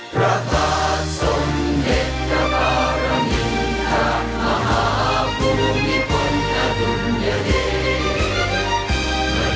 พระบาทสมมิตรกระบาลมินทรามหาภูมิพรรณดุลเยอริย์